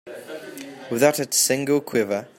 Without a single quiver.